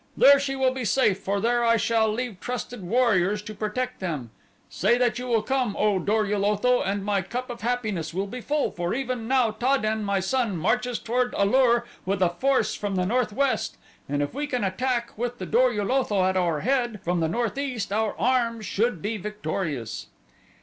"There she will be safe for there I shall leave trusted warriors to protect them. Say that you will come, O Dor ul Otho, and my cup of happiness will be full, for even now Ta den, my son, marches toward A lur with a force from the northwest and if we can attack, with the Dor ul Otho at our head, from the northeast our arms should be victorious."